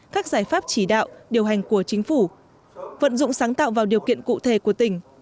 các giải pháp chỉ đạo điều hành của chính phủ vận dụng sáng tạo vào điều kiện cụ thể của tỉnh